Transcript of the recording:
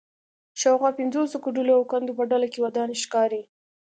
شاوخوا پنځوسو کوډلو او کندو په ډله کې ودانۍ ښکاري